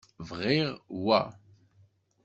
Bɣiɣ wa.